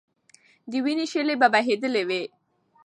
د وینو شېلې به بهېدلې وي.